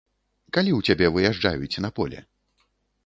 Калі ў цябе выязджаюць на поле?